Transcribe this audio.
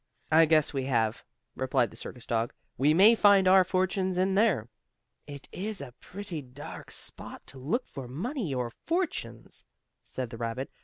"I guess we have," replied the circus dog. "We may find our fortunes in there." "It is a pretty dark spot to look for money, or fortunes," said the rabbit.